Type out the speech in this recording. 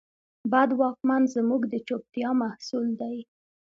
بد واکمن زموږ د چوپتیا محصول دی.